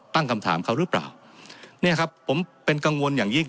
ตั้งคำถามเขาหรือเปล่าเนี่ยครับผมเป็นกังวลอย่างยิ่ง